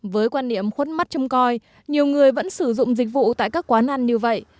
với quan niệm khuất mắt châm coi nhiều người vẫn sử dụng dịch vụ tại các quán ăn như vậy